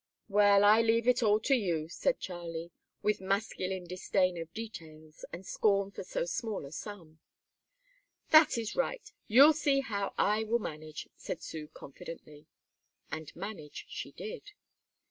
"Well, I leave it all to you," said Charlie, with masculine disdain of details, and scorn for so small a sum. "That is right. You'll see how I will manage," said Sue, confidently. And manage she did.